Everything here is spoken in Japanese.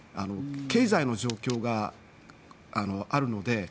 経済の状況があるので。